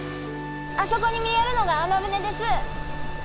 あそこに見えるのが海女舟です。